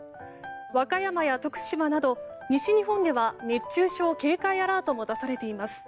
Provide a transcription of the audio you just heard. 和歌山や徳島など西日本では熱中症警戒アラートも出されています。